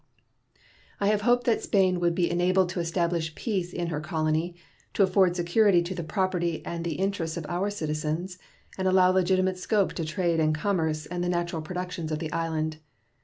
I have hoped that Spain would be enabled to establish peace in her colony, to afford security to the property and the interests of our citizens, and allow legitimate scope to trade and commerce and the natural productions of the island.